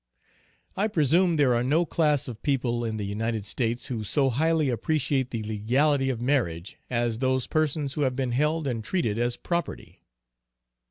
I presume there are no class of people in the United States who so highly appreciate the legality of marriage as those persons who have been held and treated as property.